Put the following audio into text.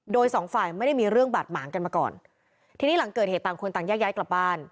โดยสองฝ่ายไม่ได้มีเรื่องบาดหมางกันมาก่อนทีนี้หลังเกิดเหตุต่างคนต่างแยกย้ายกลับบ้าน